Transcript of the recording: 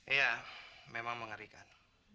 ya memang mengerikan